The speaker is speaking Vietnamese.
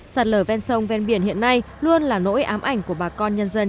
sạt lở ven sông ven biển hiện nay luôn là nỗi ám ảnh của bà con nhân dân